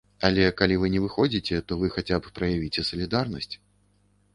Але калі вы не выходзіце, то вы хаця б праявіце салідарнасць.